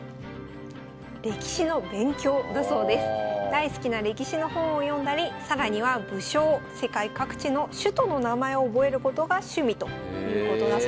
大好きな歴史の本を読んだり更には武将世界各地の首都の名前を覚えることが趣味ということだそうです。